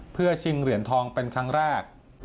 เพื่อชิงเหรียญทองเป็นครั้งแรก